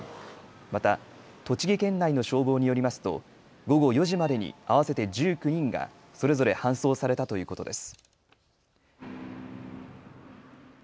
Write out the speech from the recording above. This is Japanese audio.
また栃木県内の消防によりますと午後４時までに合わせて１９人がそれぞれ搬送されたということです。